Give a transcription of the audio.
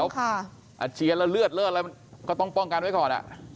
แล้วอาเชียแล้วเลือดเลือดอะไรก็ต้องป้องกันไว้ก่อนอ่ะ